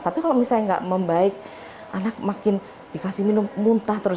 tapi kalau misalnya nggak membaik anak makin dikasih minum muntah terus